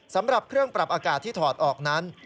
สำหรับเครื่องปรับอากาศที่ถอดออกนั้น